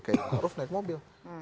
kayak aruf naik mobil